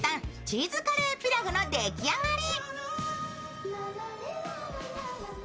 チーズカレーピラフの出来上がり。